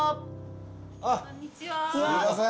あっすいません。